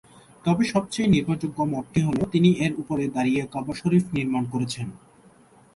তবে সবচেয়ে নির্ভরযোগ্য মতটি হল, তিনি এর উপরে দাঁড়িয়ে কাবা শরিফ নির্মাণ করেছেন।